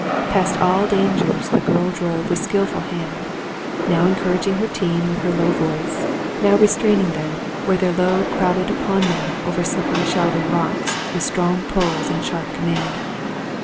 Past all dangers the girl drove with skilful hand, now encouraging her team with her low voice, now restraining them, where their load crowded upon them over slippery, shelving rocks, with strong pulls and sharp command.